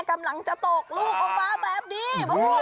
กำลังจะตกลูกออกมาแบบนี้